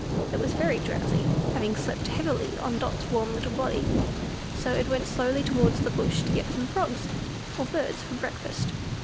It was very drowsy, having slept heavily on Dot's warm little body; so it went slowly towards the bush, to get some frogs or birds for breakfast.